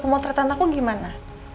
pemotretan aku gimana